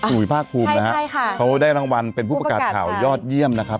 อุ๋ยภาคภูมินะฮะใช่ค่ะเขาได้รางวัลเป็นผู้ประกาศข่าวยอดเยี่ยมนะครับ